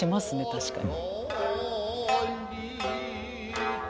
確かに。